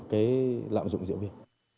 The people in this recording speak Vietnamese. cái lạm dụng rượu bia